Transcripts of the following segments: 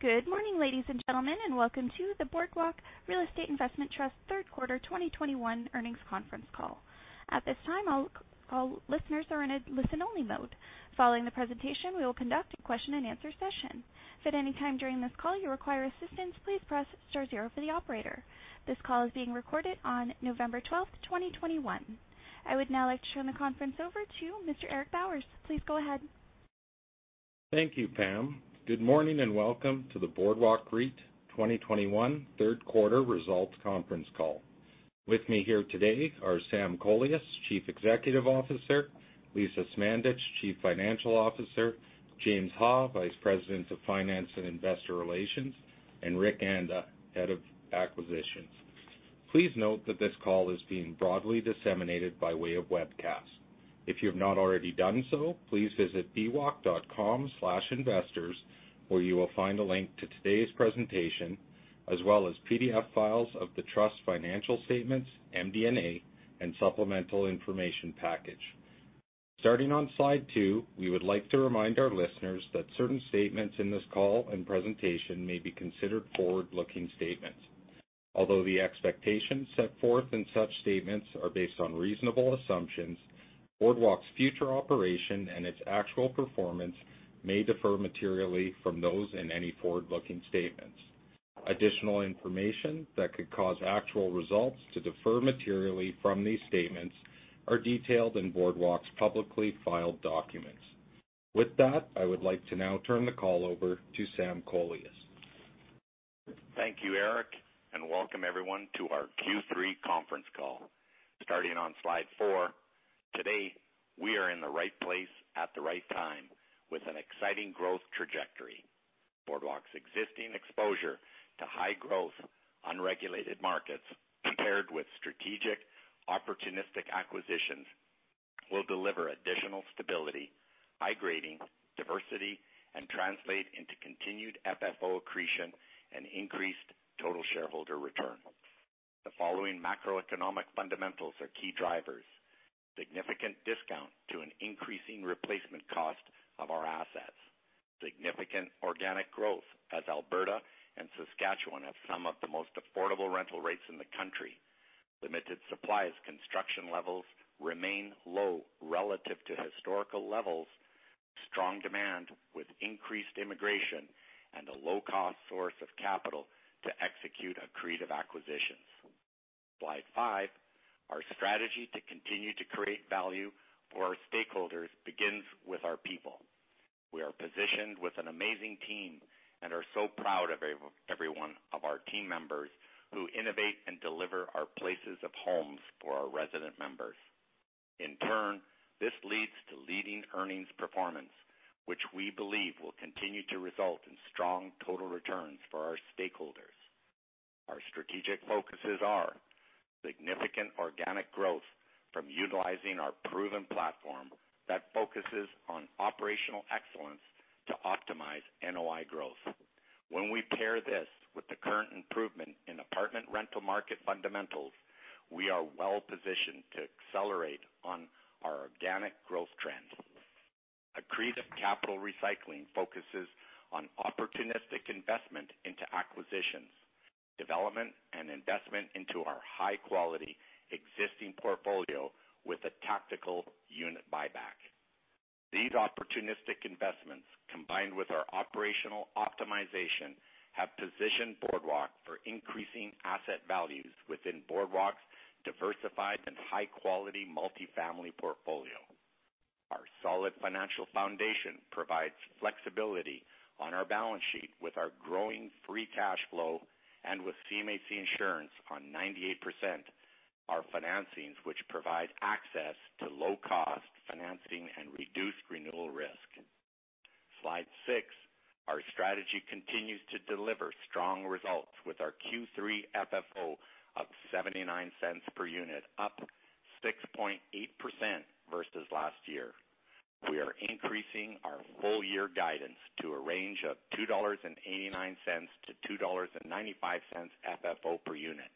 Good morning, ladies and gentlemen, and welcome to the Boardwalk Real Estate Investment Trust Q3 2021 Earnings Conference Call. At this time, all call listeners are in a listen-only mode. Following the presentation, we will conduct a Q&A session. If at any time during this call you require assistance, please press star zero for the operator. This call is being recorded on November 12th, 2021. I would now like to turn the Conference over to Mr. Eric Bowers. Please go ahead. Thank you, Pam. Good morning and welcome to the Boardwalk REIT 2021 Q3 results Conference Call. With me here today are Sam Kolias, Chief Executive Officer, Lisa Smandych, Chief Financial Officer, James Ha, Vice President of Finance and Investor Relations, and Richard Anda, Head of Acquisitions. Please note that this call is being broadly disseminated by way of webcast. If you have not already done so, please visit bwalk.com/investors, where you will find a link to today's presentation, as well as PDF files of the Trust's financial statements, MD&A, and supplemental information package. Starting on slide two, we would like to remind our listeners that certain statements in this call and presentation may be considered forward-looking statements. Although the expectations set forth in such statements are based on reasonable assumptions, Boardwalk's future operation and its actual performance may differ materially from those in any forward-looking statements. Additional information that could cause actual results to differ materially from these statements are detailed in Boardwalk's publicly filed documents. With that, I would like to now turn the call over to Sam Kolias. Thank you, Eric, and welcome everyone to our Q3 conference call. Starting on slide four. Today, we are in the right place at the right time with an exciting growth trajectory. Boardwalk's existing exposure to high-growth unregulated markets, paired with strategic opportunistic acquisitions, will deliver additional stability, high grading, diversity, and translate into continued FFO accretion and increased total shareholder return. The following macroeconomic fundamentals are key drivers. Significant discount to an increasing replacement cost of our assets. Significant organic growth as Alberta and Saskatchewan have some of the most affordable rental rates in the country. Limited supply as construction levels remain low relative to historical levels. Strong demand with increased immigration and a low-cost source of capital to execute accretive acquisitions. Slide five. Our strategy to continue to create value for our stakeholders begins with our people. We are positioned with an amazing team and are so proud of every one of our team members who innovate and deliver our places and homes for our resident members. In turn, this leads to leading earnings performance, which we believe will continue to result in strong total returns for our stakeholders. Our strategic focuses are significant organic growth from utilizing our proven platform that focuses on operational excellence to optimize NOI growth. When we pair this with the current improvement in apartment rental market fundamentals, we are well-positioned to accelerate on our organic growth trends. Accretive capital recycling focuses on opportunistic investment into acquisitions, development, and investment into our high-quality existing portfolio with a tactical unit buyback. These opportunistic investments, combined with our operational optimization, have positioned Boardwalk for increasing asset values within Boardwalk's diversified and high-quality multifamily portfolio. Our solid financial foundation provides flexibility on our balance sheet with our growing free cash flow and with CMHC insurance on 98% our financings, which provide access to low-cost financing and reduced renewal risk. Slide six. Our strategy continues to deliver strong results with our Q3 FFO of 0.79 per unit, up 6.8% versus last year. We are increasing our full year guidance to a range of 2.89 dollars to 2.95 dollars FFO per unit.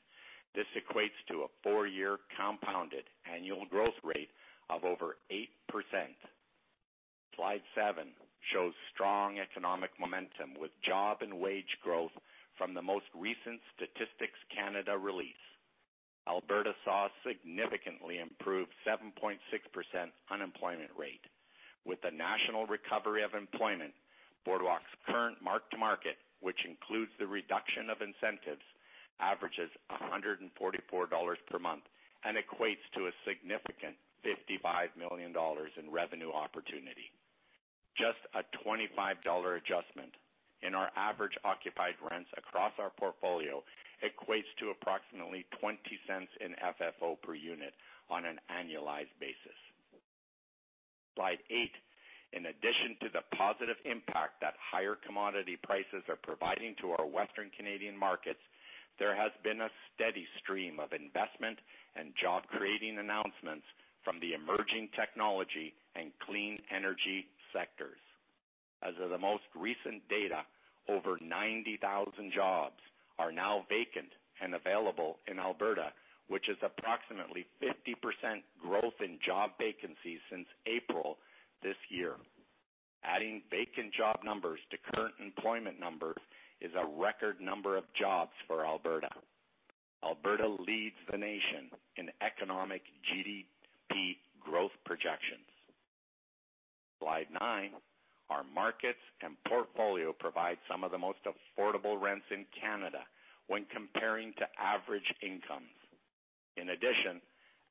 This equates to a four-year compounded annual growth rate of over 8%. Slide seven shows strong economic momentum with job and wage growth from the most recent Statistics Canada release. Alberta saw significantly improved 7.6% unemployment rate. With the national recovery of employment, Boardwalk's current mark-to-market, which includes the reduction of incentives, averages 144 dollars per month and equates to a significant 55 million dollars in revenue opportunity. Just a 25 dollar adjustment in our average occupied rents across our portfolio equates to approximately 0.20 in FFO per unit on an annualized basis. Slide eight. In addition to the positive impact that higher commodity prices are providing to our Western Canadian markets, there has been a steady stream of investment and job-creating announcements from the emerging technology and clean energy sectors. As of the most recent data. Over 90,000 jobs are now vacant and available in Alberta, which is approximately 50% growth in job vacancies since April this year. Adding vacant job numbers to current employment numbers is a record number of jobs for Alberta. Alberta leads the nation in economic GDP growth projections. Slide nine. Our markets and portfolio provide some of the most affordable rents in Canada when comparing to average incomes. In addition,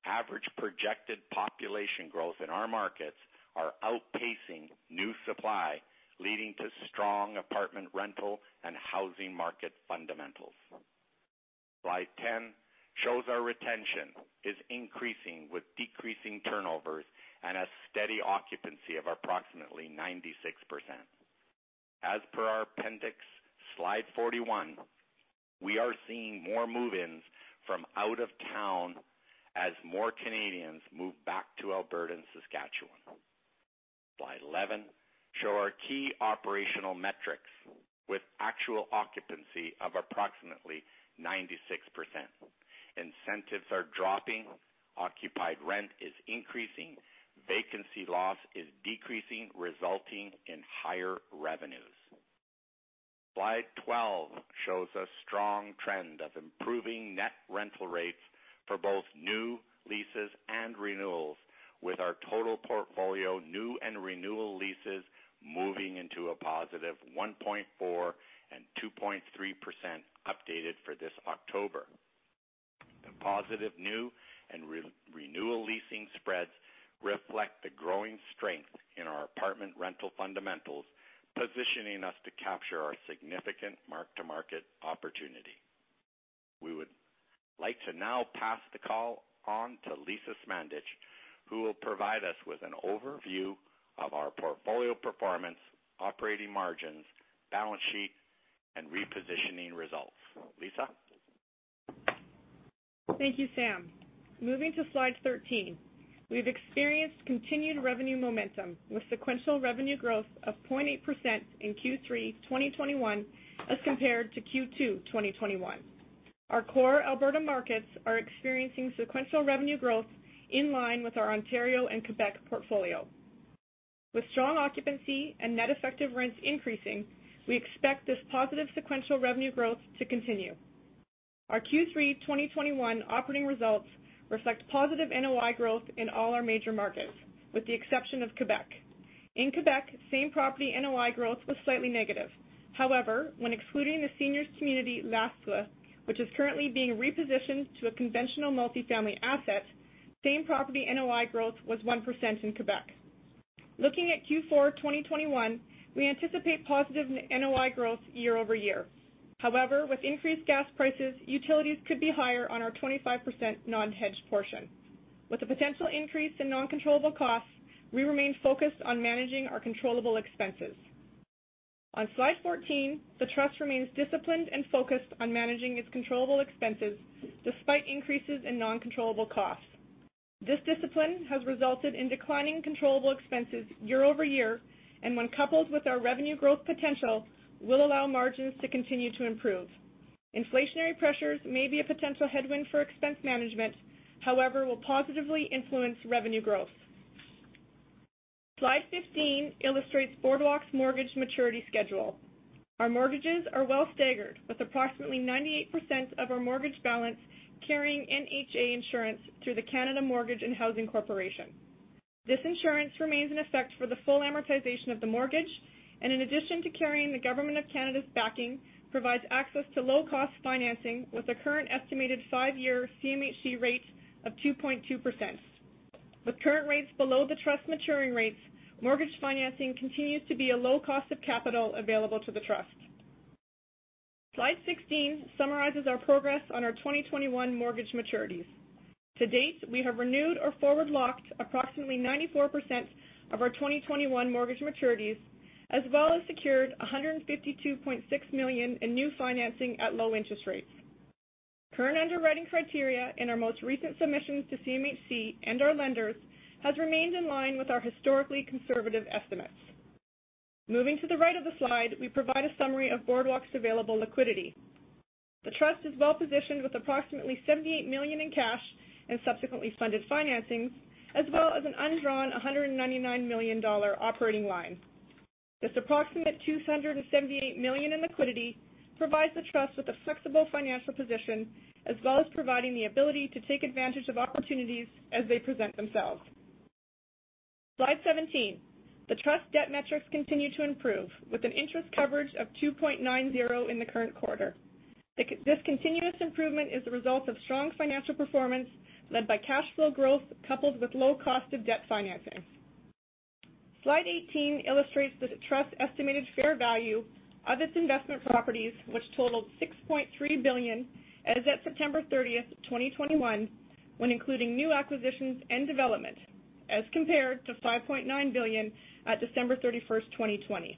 average projected population growth in our markets are outpacing new supply, leading to strong apartment rental and housing market fundamentals. Slide 10 shows our retention is increasing with decreasing turnovers and a steady occupancy of approximately 96%. As per our appendix slide 41, we are seeing more move-ins from out of town as more Canadians move back to Alberta and Saskatchewan. Slide 11 show our key operational metrics with actual occupancy of approximately 96%. Incentives are dropping, occupied rent is increasing, vacancy loss is decreasing, resulting in higher revenues. Slide 12 shows a strong trend of improving net rental rates for both new leases and renewals, with our total portfolio, new and renewal leases moving into a positive 1.4% and 2.3% updated for this October. The positive new and renewal leasing spreads reflect the growing strength in our apartment rental fundamentals, positioning us to capture our significant mark-to-market opportunity. We would like to now pass the call on to Lisa Smandych, who will provide us with an overview of our portfolio performance, operating margins, balance sheet, and repositioning results. Lisa. Thank you, Sam. Moving to slide 13. We've experienced continued revenue momentum with sequential revenue growth of 0.8% in Q3 2021 as compared to Q2 2021. Our core Alberta markets are experiencing sequential revenue growth in line with our Ontario and Quebec portfolio. With strong occupancy and net effective rents increasing, we expect this positive sequential revenue growth to continue. Our Q3 2021 operating results reflect positive NOI growth in all our major markets, with the exception of Quebec. In Quebec, same-property NOI growth was slightly negative. However, when excluding the seniors community La Cité, which is currently being repositioned to a conventional multifamily asset, same-property NOI growth was 1% in Quebec. Looking at Q4 2021, we anticipate positive NOI growth year-over-year. However, with increased gas prices, utilities could be higher on our 25% non-hedged portion. With the potential increase in non-controllable costs, we remain focused on managing our controllable expenses. On slide 14, the trust remains disciplined and focused on managing its controllable expenses despite increases in non-controllable costs. This discipline has resulted in declining controllable expenses year-over-year, and when coupled with our revenue growth potential, will allow margins to continue to improve. Inflationary pressures may be a potential headwind for expense management, however, will positively influence revenue growth. Slide 15 illustrates Boardwalk's mortgage maturity schedule. Our mortgages are well staggered with approximately 98% of our mortgage balance carrying NHA insurance through the Canada Mortgage and Housing Corporation. This insurance remains in effect for the full amortization of the mortgage, and in addition to carrying the government of Canada's backing, provides access to low-cost financing with a current estimated five-year CMHC rate of 2.2%. With current rates below the trust maturing rates, mortgage financing continues to be a low cost of capital available to the trust. Slide 16 summarizes our progress on our 2021 mortgage maturities. To date, we have renewed or forward-locked approximately 94% of our 2021 mortgage maturities, as well as secured 152.6 million in new financing at low interest rates. Current underwriting criteria in our most recent submissions to CMHC and our lenders has remained in line with our historically conservative estimates. Moving to the right of the slide, we provide a summary of Boardwalk's available liquidity. The trust is well-positioned with approximately 78 million in cash and subsequently funded financing, as well as an undrawn 199 million dollar operating line. This approximate 278 million in liquidity provides the trust with a flexible financial position, as well as providing the ability to take advantage of opportunities as they present themselves. Slide 17, the trust debt metrics continue to improve with an interest coverage of 2.90 in the current quarter. This continuous improvement is the result of strong financial performance led by cash flow growth, coupled with low cost of debt financing. Slide 18 illustrates the trust estimated fair value of its investment properties, which totaled 6.3 billion as of September 30th, 2021, when including new acquisitions and development, as compared to 5.9 billion at December 31st, 2020.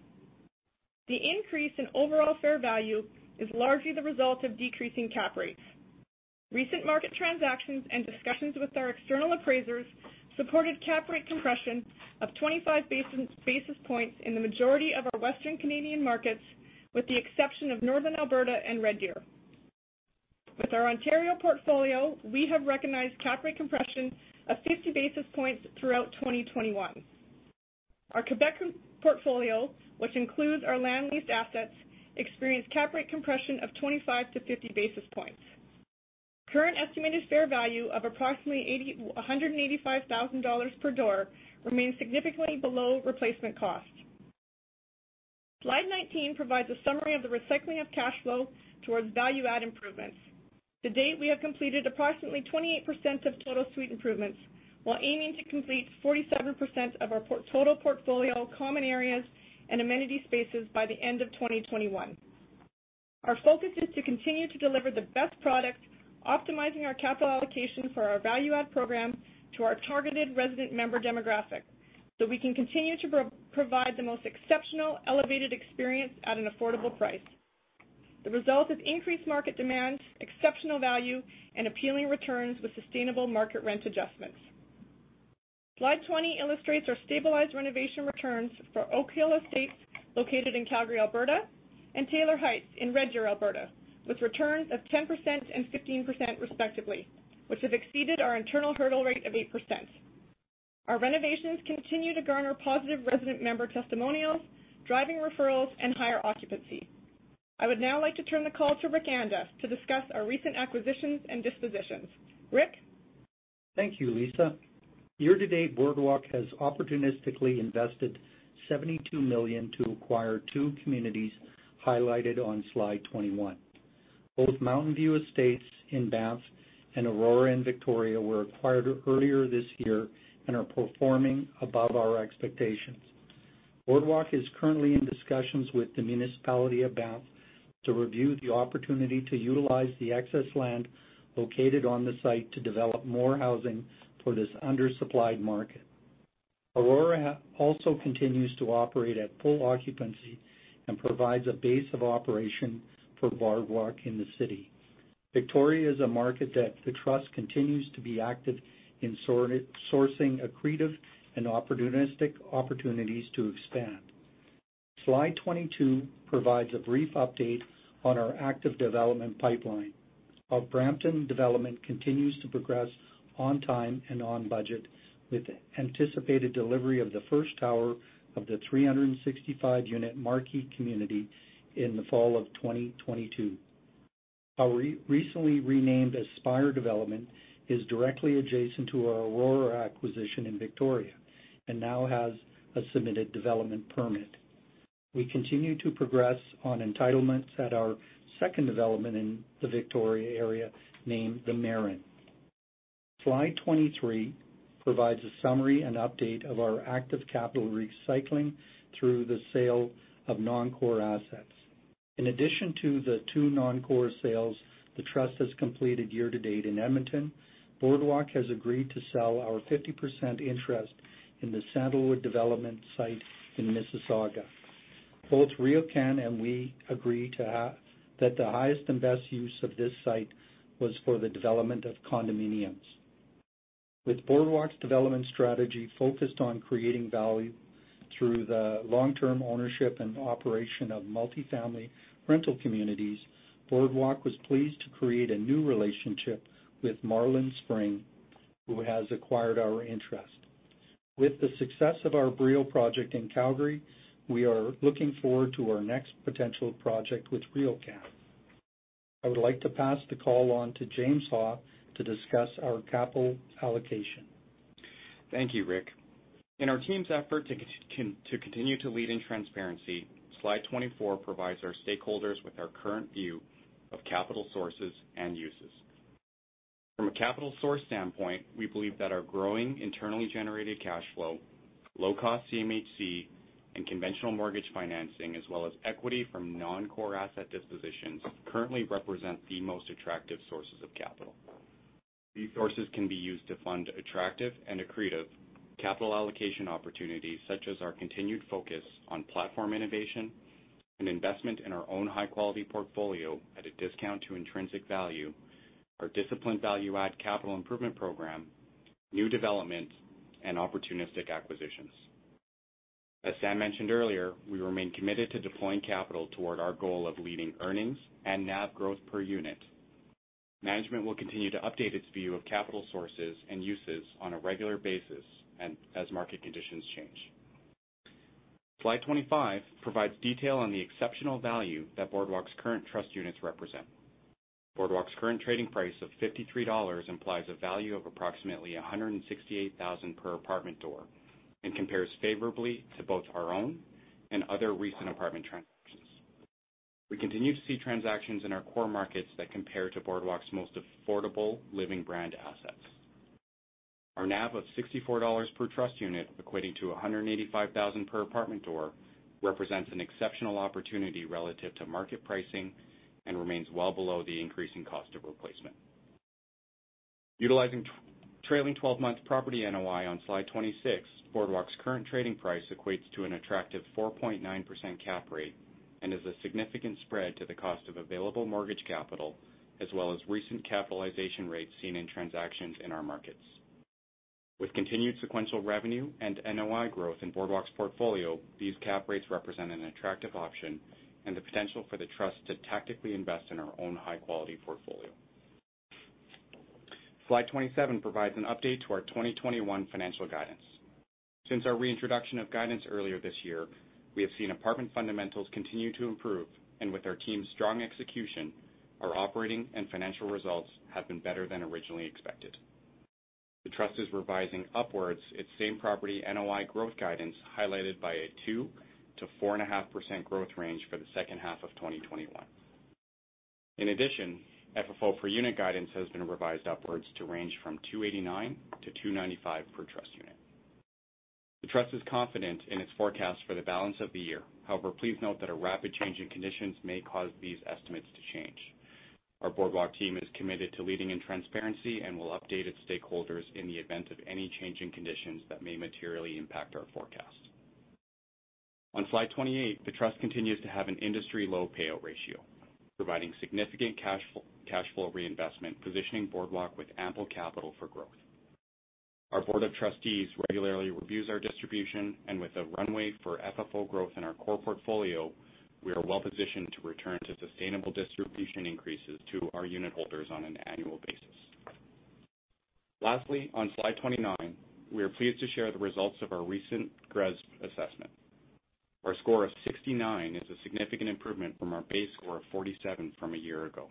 The increase in overall fair value is largely the result of decreasing cap rates. Recent market transactions and discussions with our external appraisers supported cap rate compression of 25 basis points in the majority of our Western Canadian markets, with the exception of Northern Alberta and Red Deer. With our Ontario portfolio, we have recognized cap rate compression of 50 basis points throughout 2021. Our Quebec portfolio, which includes our land lease assets, experienced cap rate compression of 25 to 50 basis points. Current estimated fair value of approximately 185,000 dollars per door remains significantly below replacement cost. Slide 19 provides a summary of the recycling of cash flow towards value add improvements. To date, we have completed approximately 28% of total suite improvements, while aiming to complete 47% of our total portfolio common areas and amenity spaces by the end of 2021. Our focus is to continue to deliver the best product, optimizing our capital allocation for our value add program to our targeted resident member demographic, so we can continue to provide the most exceptional elevated experience at an affordable price. The result is increased market demand, exceptional value, and appealing returns with sustainable market rent adjustments. Slide 20 illustrates our stabilized renovation returns for Oakhill Estates, located in Calgary, Alberta, and Taylor Heights in Red Deer, Alberta, with returns of 10% and 15% respectively, which have exceeded our internal hurdle rate of 8%. Our renovations continue to garner positive resident member testimonials, driving referrals and higher occupancy. I would now like to turn the call to Richard Anda to discuss our recent acquisitions and dispositions. Rick. Thank you, Lisa. Year-to-date, Boardwalk has opportunistically invested 72 million to acquire two communities highlighted on slide 21. Both Mountainview Estates in Banff and Aurora in Victoria were acquired earlier this year and are performing above our expectations. Boardwalk is currently in discussions with the municipality of Banff to review the opportunity to utilize the excess land located on the site to develop more housing for this undersupplied market. Aurora also continues to operate at full occupancy and provides a base of operation for Boardwalk in the city. Victoria is a market that the trust continues to be active in sourcing accretive and opportunistic opportunities to expand. Slide 22 provides a brief update on our active development pipeline. Our Brampton development continues to progress on time and on budget with anticipated delivery of the first tower of the 365-unit Marquee community in the fall of 2022. Our recently renamed Aspire development is directly adjacent to our Aurora acquisition in Victoria, and now has a submitted development permit. We continue to progress on entitlements at our second development in the Victoria area, named The Marin. Slide 23 provides a summary and update of our active capital recycling through the sale of non-core assets. In addition to the two non-core sales the trust has completed year to date in Edmonton, Boardwalk has agreed to sell our 50% interest in the Sandalwood development site in Mississauga. Both RioCan and we agreed that the highest and best use of this site was for the development of condominiums. With Boardwalk's development strategy focused on creating value through the long-term ownership and operation of multi-family rental communities, Boardwalk was pleased to create a new relationship with Marlin Spring, who has acquired our interest. With the success of our Brio project in Calgary, we are looking forward to our next potential project with RioCan. I would like to pass the call on to James Ha to discuss our capital allocation. Thank you, Rick. In our team's effort to continue to lead in transparency, slide 24 provides our stakeholders with our current view of capital sources and uses. From a capital source standpoint, we believe that our growing internally generated cash flow, low-cost CMHC, and conventional mortgage financing, as well as equity from non-core asset dispositions, currently represent the most attractive sources of capital. These sources can be used to fund attractive and accretive capital allocation opportunities such as our continued focus on platform innovation and investment in our own high-quality portfolio at a discount to intrinsic value, our disciplined value add capital improvement program, new development, and opportunistic acquisitions. As Sam mentioned earlier, we remain committed to deploying capital toward our goal of leading earnings and NAV growth per unit. Management will continue to update its view of capital sources and uses on a regular basis and as market conditions change. Slide 25 provides detail on the exceptional value that Boardwalk's current trust units represent. Boardwalk's current trading price of 53 dollars implies a value of approximately 168,000 per apartment door, and compares favorably to both our own and other recent apartment transactions. We continue to see transactions in our core markets that compare to Boardwalk's most affordable living brand assets. Our NAV of 64 dollars per trust unit, equating to 185,000 per apartment door, represents an exceptional opportunity relative to market pricing and remains well below the increasing cost of replacement. Utilizing trailing 12-month property NOI on slide 26, Boardwalk's current trading price equates to an attractive 4.9% cap rate and is a significant spread to the cost of available mortgage capital, as well as recent capitalization rates seen in transactions in our markets. With continued sequential revenue and NOI growth in Boardwalk's portfolio, these cap rates represent an attractive option and the potential for the trust to tactically invest in our own high-quality portfolio. Slide 27 provides an update to our 2021 financial guidance. Since our reintroduction of guidance earlier this year, we have seen apartment fundamentals continue to improve, and with our team's strong execution, our operating and financial results have been better than originally expected. The trust is revising upwards its same property NOI growth guidance, highlighted by a 2% to 4.5% growth range for the second half of 2021. In addition, FFO per unit guidance has been revised upwards to range from 2.89 to 2.95 per trust unit. The trust is confident in its forecast for the balance of the year. However, please note that a rapid change in conditions may cause these estimates to change. Our Boardwalk team is committed to leading in transparency and will update its stakeholders in the event of any change in conditions that may materially impact our forecast. On slide 28, the trust continues to have an industry-low payout ratio, providing significant cash flow reinvestment, positioning Boardwalk with ample capital for growth. Our board of trustees regularly reviews our distribution, and with a runway for FFO growth in our core portfolio, we are well-positioned to return to sustainable distribution increases to our unitholders on an annual basis. Lastly, on slide 29, we are pleased to share the results of our recent GRESB assessment. Our score of 69 is a significant improvement from our base score of 47 from a year ago.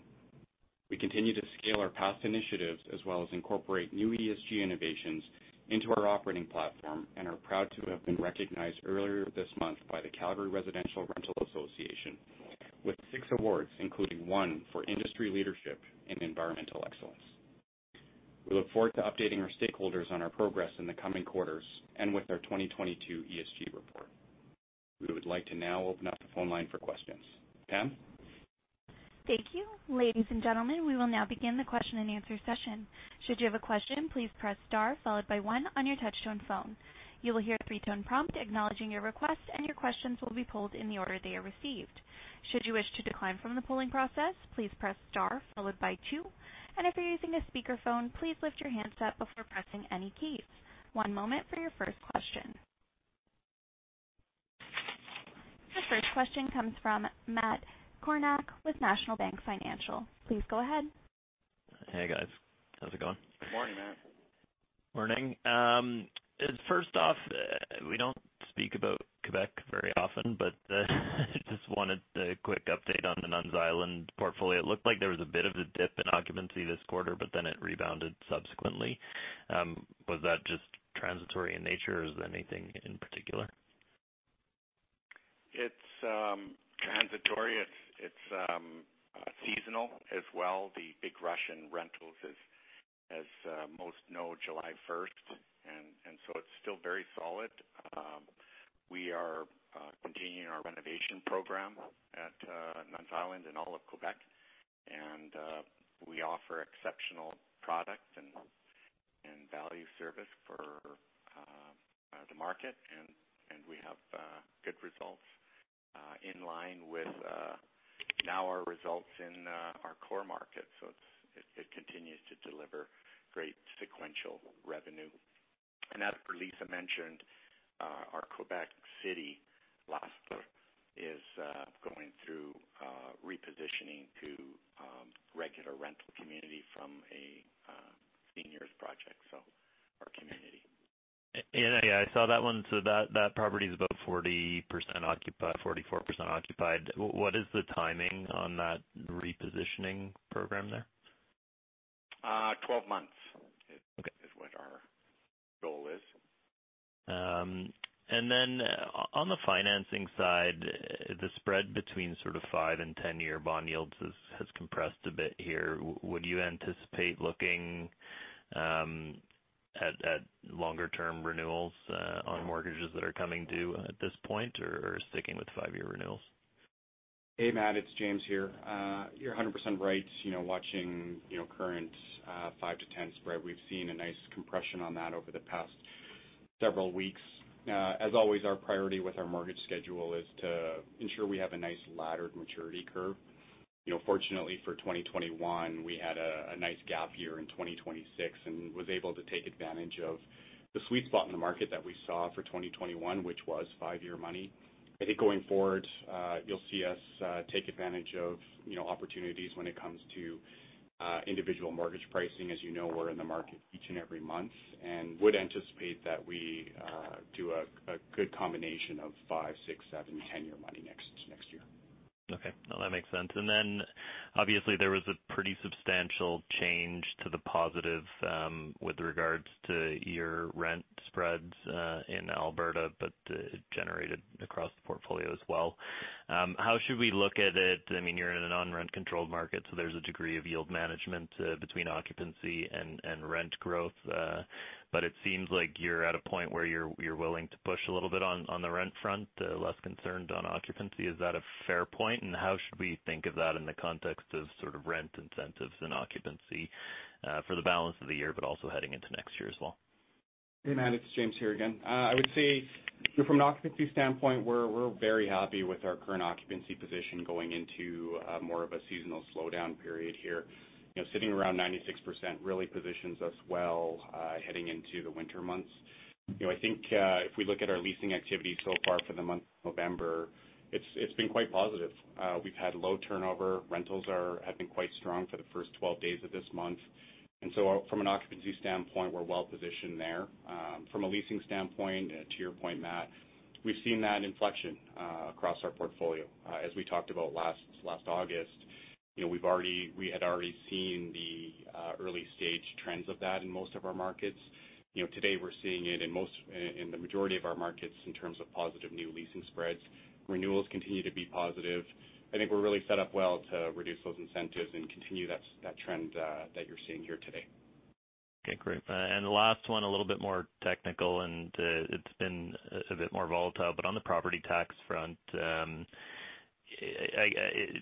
We continue to scale our past initiatives, as well as incorporate new ESG innovations into our operating platform, and are proud to have been recognized earlier this month by the Calgary Residential Rental Association with 6 awards, including one for industry leadership and environmental excellence. We look forward to updating our stakeholders on our progress in the coming quarters and with our 2022 ESG report. We would like to now open up the phone line for questions. Pam? Thank you. Ladies and gentlemen, we will now begin the Q&A session. Should you have a question, please press star followed by one on your touch-tone phone. You will hear a three-tone prompt acknowledging your request, and your questions will be pulled in the order they are received. Should you wish to decline from the polling process, please press star followed by two. If you're using a speakerphone, please lift your handset before pressing any keys. One moment for your first question. The first question comes from Matt Kornack with National Bank Financial. Please go ahead. Hey, guys. How's it going? Good morning, Matt. Morning. First off, we don't speak about Quebec very often, but just wanted a quick update on the Nun's Island portfolio. It looked like there was a bit of a dip in occupancy this quarter, but then it rebounded subsequently. Was that just transitory in nature, or is it anything in particular? It's transitory. It's seasonal as well. The big rush in rentals is, as most know, July first, and so it's still very solid. We are continuing our renovation program at Nun's Island in all of Quebec, and we offer exceptional product and value service for the market, and we have good results in line with now our results in our core market. It continues to deliver great sequential revenue. As Lisa mentioned, our Quebec City last year is going through repositioning to regular rental community from a seniors project, so our community. Yeah, I saw that one. That property is about 44% occupied. What is the timing on that repositioning program there? 12 months. Okay. This is what our goal is. On the financing side, the spread between sort of five and 10 year bond yields has compressed a bit here. Would you anticipate looking at longer-term renewals on mortgages that are coming due at this point or sticking with five-year renewals? Hey, Matt, it's James here. You're 100% right. You know, watching, you know, current, five to 10 spread, we've seen a nice compression on that over the past several weeks. As always, our priority with our mortgage schedule is to ensure we have a nice laddered maturity curve. You know, fortunately for 2021, we had a nice gap year in 2026 and was able to take advantage of the sweet spot in the market that we saw for 2021, which was five year money. I think going forward, you'll see us take advantage of, you know, opportunities when it comes to individual mortgage pricing. As you know, we're in the market each and every month and would anticipate that we do a good combination of five, six, seven, 10 year money next year. Okay. No, that makes sense. Obviously there was a pretty substantial change to the positive with regards to your rent spreads in Alberta, but it generated across the portfolio as well. How should we look at it? I mean, you're in a non-rent-controlled market, so there's a degree of yield management between occupancy and rent growth. It seems like you're at a point where you're willing to push a little bit on the rent front, less concerned on occupancy. Is that a fair point? How should we think of that in the context of sort of rent incentives and occupancy for the balance of the year, but also heading into next year as well? Hey, Matt, it's James here again. I would say from an occupancy standpoint, we're very happy with our current occupancy position going into more of a seasonal slowdown period here. You know, sitting around 96% really positions us well heading into the winter months. You know, I think if we look at our leasing activity so far for the month of November, it's been quite positive. We've had low turnover. Rentals have been quite strong for the first 12 days of this month. From an occupancy standpoint, we're well-positioned there. From a leasing standpoint, to your point, Matt, we've seen that inflection across our portfolio. As we talked about last August, you know, we've already seen the early-stage trends of that in most of our markets. You know, today we're seeing it in the majority of our markets in terms of positive new leasing spreads. Renewals continue to be positive. I think we're really set up well to reduce those incentives and continue that trend that you're seeing here today. Okay, great. The last one, a little bit more technical, and it's been a bit more volatile, but on the property tax front,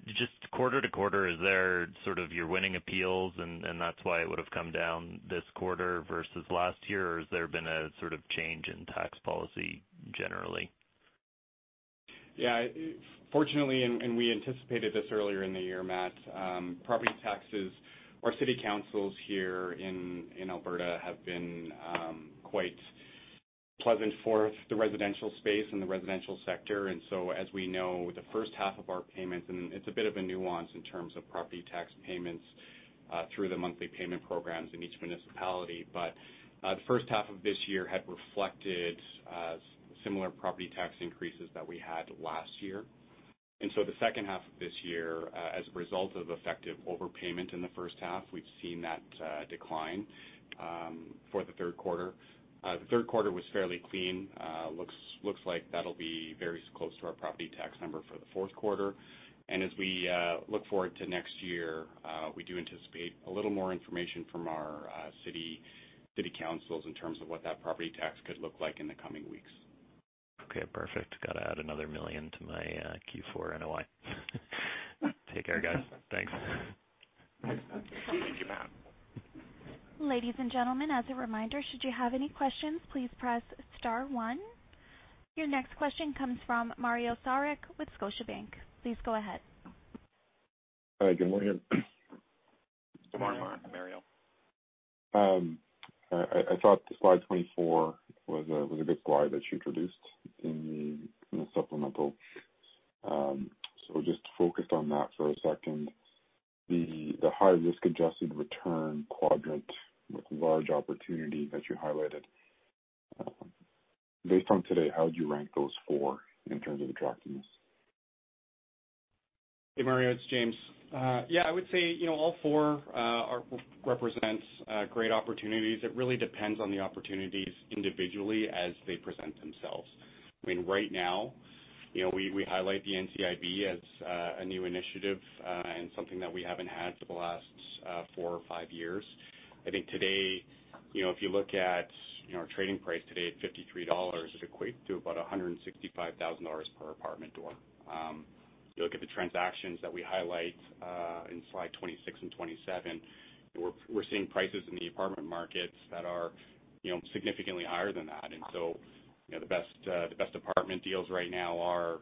just quarter-over-quarter, is there sort of you're winning appeals and that's why it would have come down this quarter versus last year? Or has there been a sort of change in tax policy generally? Yeah. Fortunately, and we anticipated this earlier in the year, Matt, property taxes or city councils here in Alberta have been quite pleasant for the residential space and the residential sector. As we know, the first half of our payments, and it's a bit of a nuance in terms of property tax payments through the monthly payment programs in each municipality. The first half of this year had reflected similar property tax increases that we had last year. The second half of this year, as a result of effective overpayment in the first half, we've seen that decline for the Q3. The Q3 was fairly clean. Looks like that'll be very close to our property tax number for the Q4. As we look forward to next year, we do anticipate a little more information from our city councils in terms of what that property tax could look like in the coming weeks. Okay, perfect. Got to add another 1 million to my Q4 NOI. Take care, guys. Thanks. Thank you, Matt. Ladies and gentlemen, as a reminder, should you have any questions, please press star one. Your next question comes from Mario Saric with Scotiabank. Please go ahead. Hi. Good morning. Good morning, Mario. I thought the slide 24 was a good slide that you introduced in the supplemental. Just focused on that for a second. The high-risk-adjusted return quadrant with large opportunity that you highlighted. Based on today, how would you rank those four in terms of attractiveness? Hey, Mario, it's James. I would say, you know, all four represents great opportunities. It really depends on the opportunities individually as they present themselves. I mean, right now, you know, we highlight the NCIB as a new initiative and something that we haven't had for the last four or five years. I think today, you know, if you look at our trading price today at 53 dollars, it equates to about 165,000 dollars per apartment door. If you look at the transactions that we highlight in slide 26 and 27, we're seeing prices in the apartment markets that are, you know, significantly higher than that. You know, the best apartment deals right now are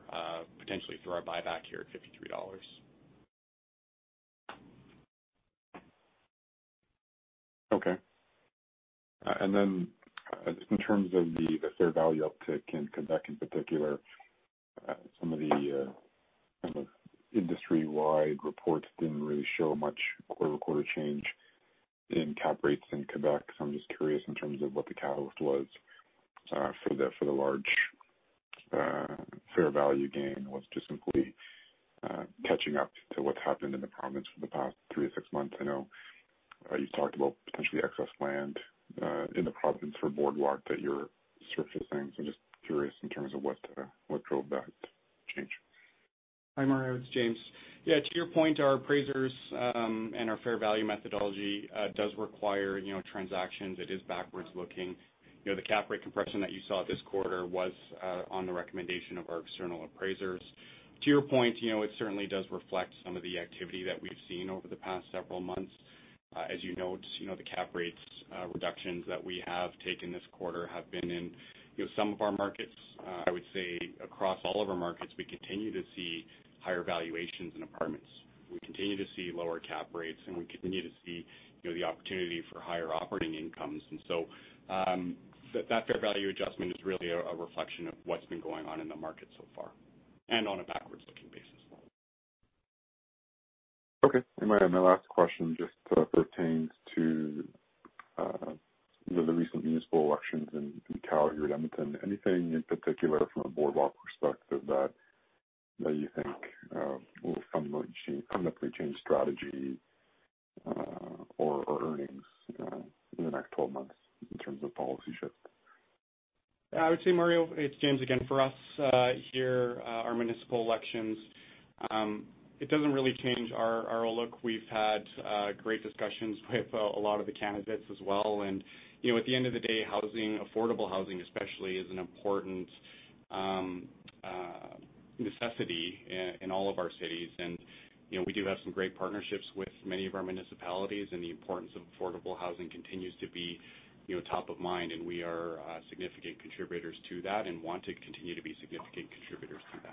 potentially through our buyback here at 53 dollars. Okay. In terms of the fair value uptick in Quebec in particular, some of the kind of industry-wide reports didn't really show much quarter-over-quarter change in cap rates in Quebec. I'm just curious in terms of what the catalyst was for the large fair value gain was just simply catching up to what's happened in the province for the past three to six months. I know you've talked about potentially excess land in the province for Boardwalk that you're surfacing. Just curious in terms of what drove that change. Hi, Mario, it's James. Yeah, to your point, our appraisers and our fair value methodology does require, you know, transactions. It is backward looking. You know, the cap rate compression that you saw this quarter was on the recommendation of our external appraisers. To your point, you know, it certainly does reflect some of the activity that we've seen over the past several months. As you know, the cap rates reductions that we have taken this quarter have been in, you know, some of our markets. I would say across all of our markets, we continue to see higher valuations in apartments. We continue to see lower cap rates, and we continue to see, you know, the opportunity for higher operating incomes. That fair value adjustment is really a reflection of what's been going on in the market so far and on a backwards-looking basis. Okay. My last question just pertains to the recent municipal elections in Calgary and Edmonton. Anything in particular from a Boardwalk perspective that you think will significantly change strategy or earnings in the next 12 months in terms of policy shift? Yeah, I would say, Mario, it's James again. For us here, our municipal elections, it doesn't really change our look. We've had great discussions with a lot of the candidates as well. You know, at the end of the day, housing, affordable housing especially, is an important necessity in all of our cities. You know, we do have some great partnerships with many of our municipalities, and the importance of affordable housing continues to be, you know, top of mind, and we are significant contributors to that and want to continue to be significant contributors to that.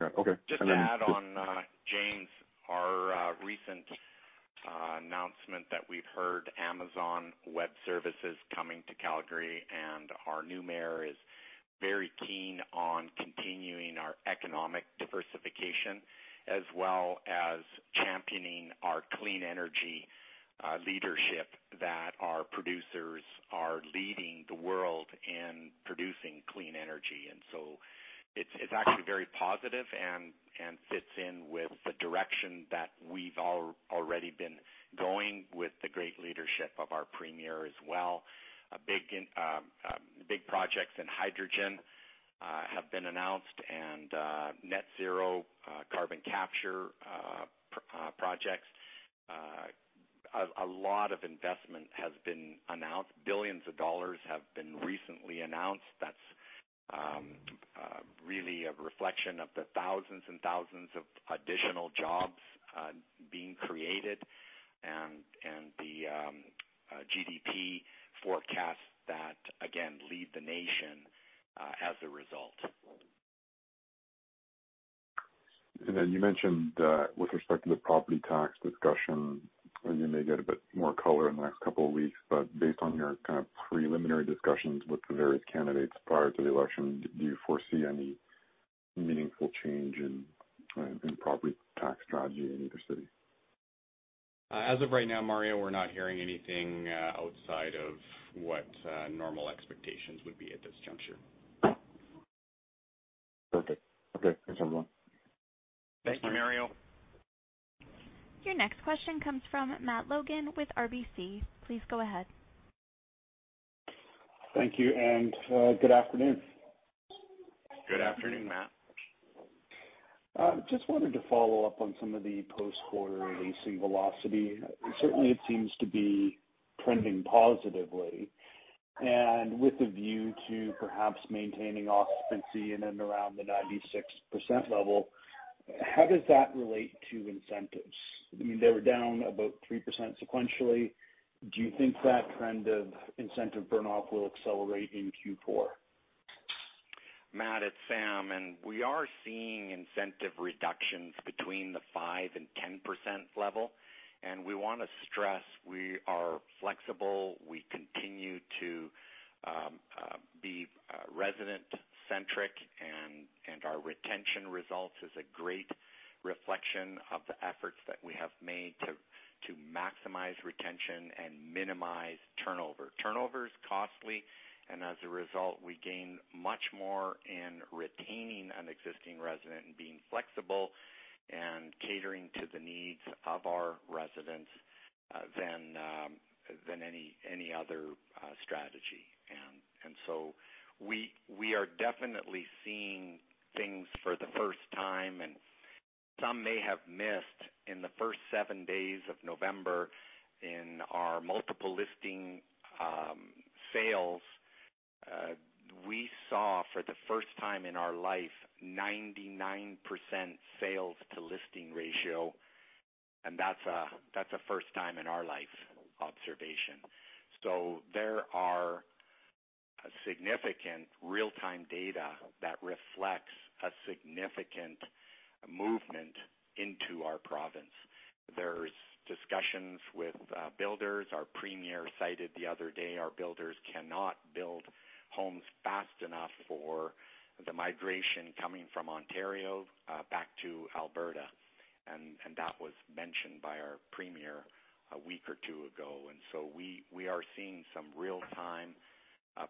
Yeah. Okay. Just to add on, James, our recent announcement that we've heard Amazon Web Services coming to Calgary, and our new mayor is very keen on continuing our economic diversification as well as championing our clean energy leadership that our producers are leading the world in producing clean energy. It's actually very positive and fits in with the direction that we've already been going with the great leadership of our premier as well. Big projects in hydrogen have been announced and net zero carbon capture projects. A lot of investment has been announced. Billions of CAD have been recently announced. That's really a reflection of the thousands and thousands of additional jobs being created and the GDP forecasts that, again, lead the nation as a result. You mentioned, with respect to the property tax discussion, and you may get a bit more color in the next couple of weeks, but based on your kind of preliminary discussions with the various candidates prior to the election, do you foresee any meaningful change in property tax strategy in either city? As of right now, Mario, we're not hearing anything outside of what normal expectations would be at this juncture. Perfect. Okay. Thanks, everyone. Thank you, Mario. Your next question comes from Matt Logan with RBC Capital Markets. Please go ahead. Thank you, and good afternoon. Good afternoon, Matt. Just wanted to follow up on some of the post-quarter leasing velocity. Certainly, it seems to be trending positively. With a view to perhaps maintaining occupancy in and around the 96% level, how does that relate to incentives? I mean, they were down about 3% sequentially. Do you think that trend of incentive burn-off will accelerate in Q4? Matt, it's Sam, we are seeing incentive reductions between the 5% to 10% level. We wanna stress we are flexible. We continue to be resident-centric, our retention results is a great reflection of the efforts that we have made to maximize retention and minimize turnover. Turnover is costly, as a result, we gain much more in retaining an existing resident and being flexible and catering to the needs of our residents than any other strategy. So we are definitely seeing things for the first time, some may have missed in the first seven days of November in our multiple listing sales, we saw for the first time in our life 99% sales to listing ratio, that's a first time in our life observation. There are significant real-time data that reflects a significant movement into our province. There's discussions with builders. Our premier cited the other day our builders cannot build homes fast enough for the migration coming from Ontario back to Alberta. That was mentioned by our premier a week or two ago. We are seeing some real-time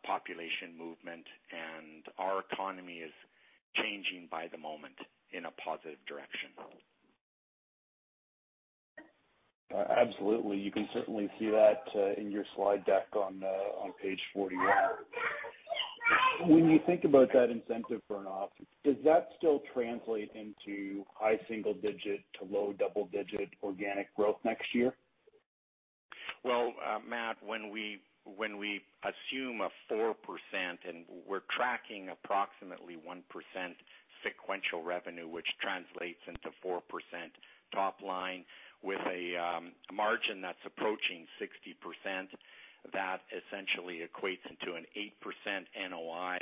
population movement, and our economy is changing by the moment in a positive direction. Absolutely. You can certainly see that in your slide deck on page 41. When you think about that incentive burn-off, does that still translate into high single-digit to low double-digit organic growth next year? Well, Matt, when we assume a 4%, and we're tracking approximately 1% sequential revenue, which translates into 4% top line with a margin that's approaching 60%, that essentially equates into an 8% NOI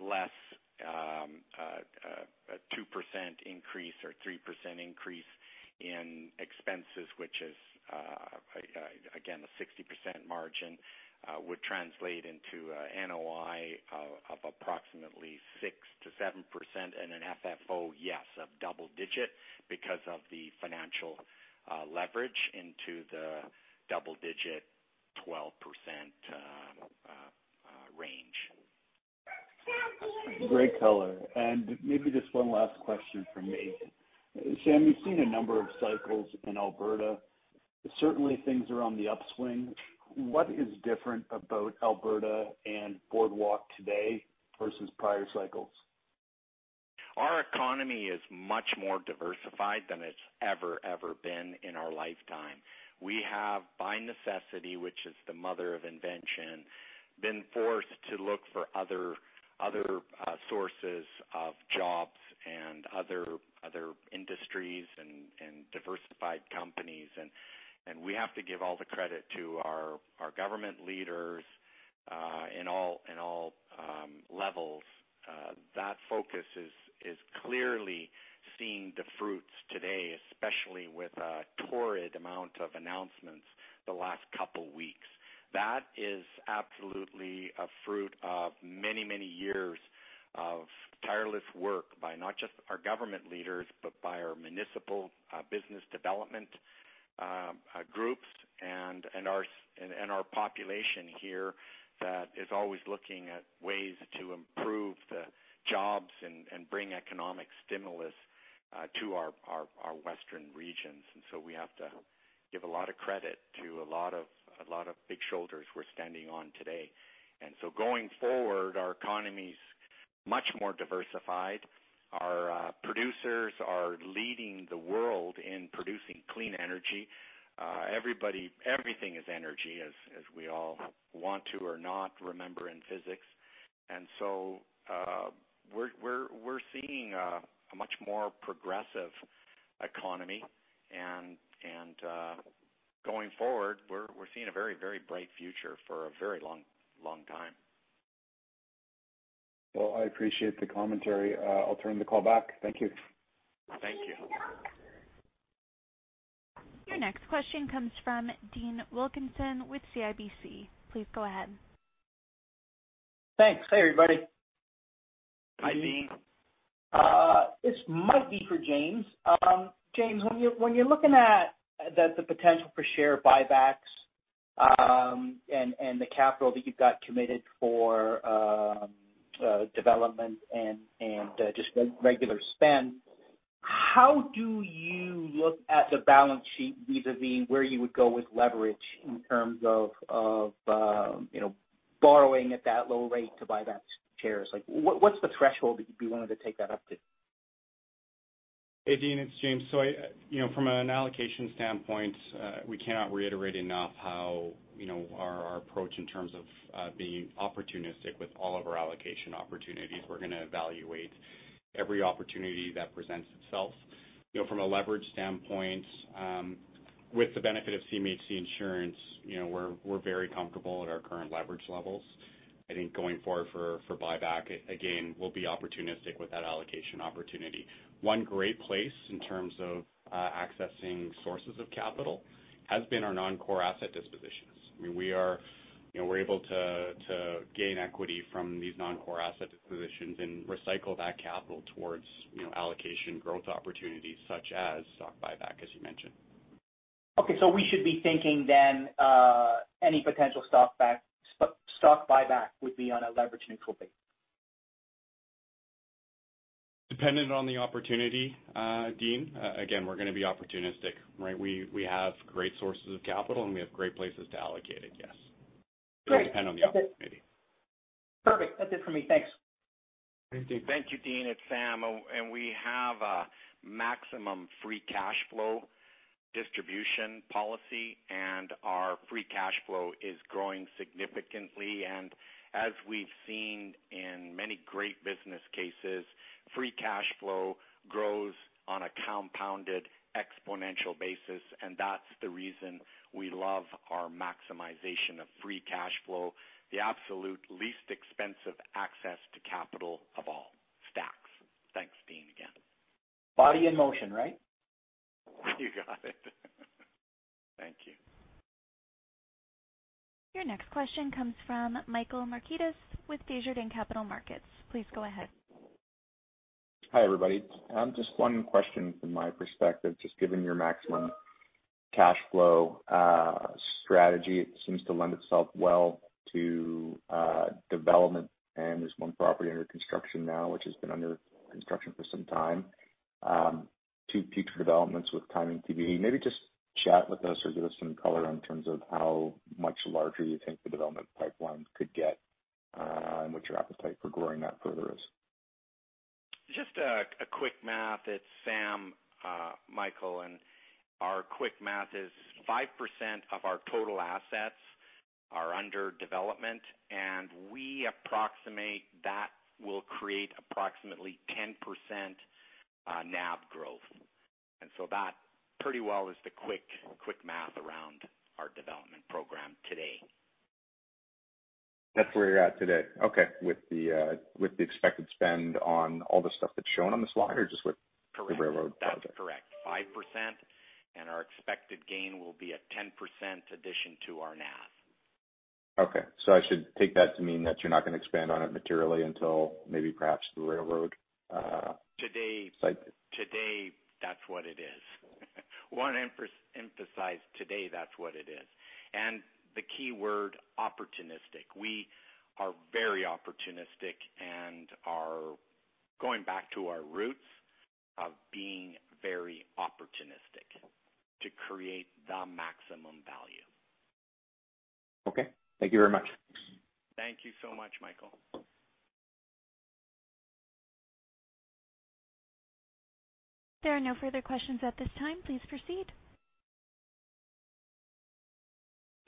less a 2% increase or 3% increase in expenses, which is again a 60% margin would translate into a NOI of approximately 6% to 7% and an FFO, yes, of double digit because of the financial leverage into the double digit 12% range. Great color. Maybe just one last question from me. Sam, you've seen a number of cycles in Alberta. Certainly, things are on the upswing. What is different about Alberta and Boardwalk today versus prior cycles? Our economy is much more diversified than it's ever been in our lifetime. We have, by necessity, which is the mother of invention, been forced to look for other sources of jobs and other industries and diversified companies. We have to give all the credit to our government leaders in all levels. That focus is clearly seeing the fruits today, especially with a torrid amount of announcements the last couple weeks. That is absolutely a fruit of many years of tireless work by not just our government leaders, but by our municipal business development groups and our population here that is always looking at ways to improve the jobs and bring economic stimulus to our western regions. We have to give a lot of credit to a lot of big shoulders we're standing on today. Going forward, our economy's much more diversified. Our producers are leading the world in producing clean energy. Everything is energy, as we all, whether we want to or not, remember in physics. We're seeing a much more progressive economy. Going forward, we're seeing a very bright future for a very long time. Well, I appreciate the commentary. I'll turn the call back. Thank you. Thank you. Your next question comes from Dean Wilkinson with CIBC Capital Markets. Please go ahead. Thanks. Hey, everybody. Hi, Dean. This might be for James Ha. James Ha, when you're looking at the potential for share buybacks, and the capital that you've got committed for development and just regular spend, how do you look at the balance sheet vis-à-vis where you would go with leverage in terms of you know, borrowing at that low rate to buy back shares? Like, what's the threshold that you'd be willing to take that up to? Hey, Dean, it's James. I, you know, from an allocation standpoint, we cannot reiterate enough how, you know, our approach in terms of, being opportunistic with all of our allocation opportunities. We're gonna evaluate every opportunity that presents itself. You know, from a leverage standpoint, with the benefit of CMHC Insurance, you know, we're very comfortable at our current leverage levels. I think going forward for buyback, again, we'll be opportunistic with that allocation opportunity. One great place in terms of, accessing sources of capital has been our non-core asset dispositions. I mean, you know, we're able to gain equity from these non-core asset dispositions and recycle that capital towards, you know, allocation growth opportunities such as stock buyback, as you mentioned. We should be thinking then any potential stock buyback would be on a leverage neutral basis. Dependent on the opportunity, Dean. Again, we're gonna be opportunistic, right? We have great sources of capital, and we have great places to allocate it, yes. Great. It'll depend on the opportunity. Perfect. That's it for me. Thanks. Thank you, Dean. It's Sam. We have a maximum free cash flow distribution policy, and our free cash flow is growing significantly. As we've seen in many great business cases, free cash flow grows on a compounded exponential basis, and that's the reason we love our maximization of free cash flow, the absolute least expensive access to capital of all, stacks. Thanks, Dean, again. Body in motion, right? You got it. Thank you. Your next question comes from Michael Markidis with Desjardins Capital Markets. Please go ahead. Hi, everybody. Just one question from my perspective. Just given your maximum cash flow strategy, it seems to lend itself well to development. There's one property under construction now which has been under construction for some time. Two future developments with timing TBD. Maybe just chat with us or give us some color in terms of how much larger you think the development pipeline could get, and what your appetite for growing that further is. Just a quick math. It's Sam, Michael, and our quick math is 5% of our total assets are under development, and we approximate that will create approximately 10% NAV growth. That pretty well is the quick math around our development program today. That's where you're at today? Okay. With the expected spend on all the stuff that's shown on the slide or just with- Correct. The railroad project? That's correct. 5%, and our expected gain will be a 10% addition to our NAV. Okay. I should take that to mean that you're not gonna expand on it materially until maybe perhaps the railroad Today? site. Today, that's what it is. Want to emphasize today, that's what it is. The key word, opportunistic. We are very opportunistic and are going back to our roots of being very opportunistic to create the maximum value. Okay. Thank you very much. Thank you so much, Michael. There are no further questions at this time. Please proceed.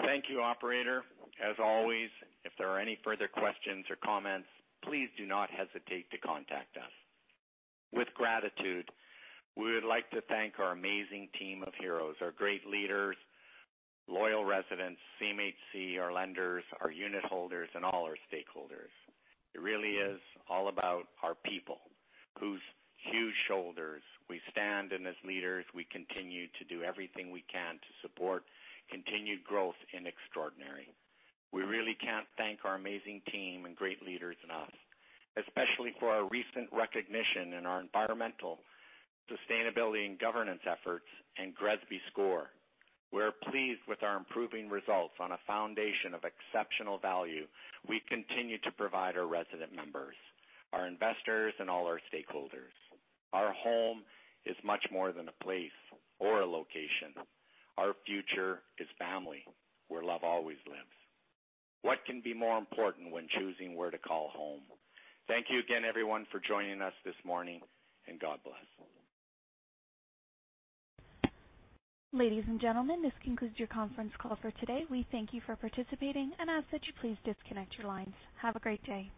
Thank you, operator. As always, if there are any further questions or comments, please do not hesitate to contact us. With gratitude, we would like to thank our amazing team of heroes, our great leaders, loyal residents, CMHC, our lenders, our unitholders, and all our stakeholders. It really is all about our people whose huge shoulders we stand and as leaders, we continue to do everything we can to support continued growth in extraordinary. We really can't thank our amazing team and great leaders enough, especially for our recent recognition in our environmental sustainability and governance efforts and GRESB score. We're pleased with our improving results on a foundation of exceptional value we continue to provide our resident members, our investors, and all our stakeholders. Our home is much more than a place or a location. Our future is family, where love always lives. What can be more important when choosing where to call home? Thank you again, everyone, for joining us this morning, and God bless. Ladies and gentlemen, this concludes your conference call for today. We thank you for participating, and as such, please disconnect your lines. Have a great day.